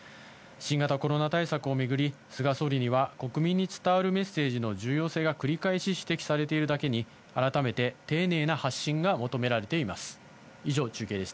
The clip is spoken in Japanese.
新型コロナ対策を巡り、菅総理には、国民に伝わるメッセージの重要性が繰り返し指摘されているだけに、改めて丁寧な発信が求められています。